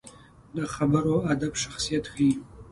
د خبرو ادب شخصیت ښيي